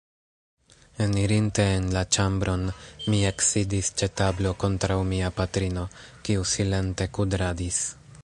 Enirinte en la ĉambron, mi eksidis ĉe tablo kontraŭ mia patrino, kiu silente kudradis.